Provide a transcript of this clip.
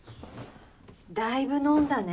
だいぶ飲んだね。